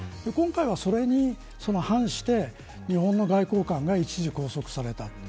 今回はそれに反して日本の外交官が一時拘束された。